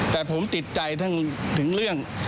แต่ผมติดใจท่านถึงเรื่อง